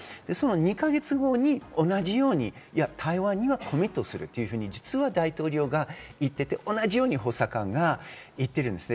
２か月後に同じように台湾にはコミットするというふうに、実は大統領が言っていて、同じように補佐官が言っています。